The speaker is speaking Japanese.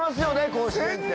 甲子園って。